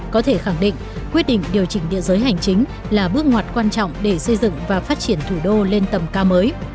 có thể khẳng định quyết định điều chỉnh địa giới hành chính là bước ngoặt quan trọng để xây dựng và phát triển thủ đô lên tầm cao mới